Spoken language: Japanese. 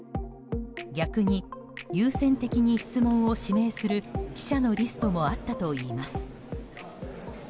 逆に、優先的に質問を指名する記者のリストもあったといいます。